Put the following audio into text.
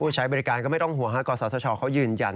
ผู้ใช้บริการก็ไม่ต้องห่วงว่าก่อสาวทชเขายืนยัน